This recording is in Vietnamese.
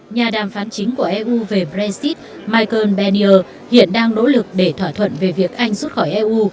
nhà đàm phán chính của eu về brexit michael bennier hiện đang nỗ lực để thỏa thuận về việc anh rút khỏi eu